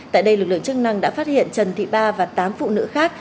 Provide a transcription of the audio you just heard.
tại đây lực lượng chức năng đã phát hiện trần thị ba và tám phụ nữ khác